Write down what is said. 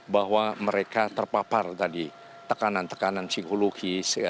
bahwa mereka terpapar tadi tekanan tekanan psikologis